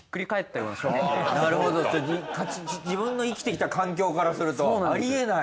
なるほど自分の生きてきた環境からするとありえない。